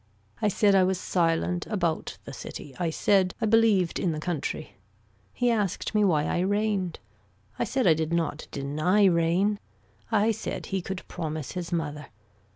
I said I was silent about the city, I said I believed in the country. He asked me why I reigned. I said I did not deny rain. I said he could promise his mother.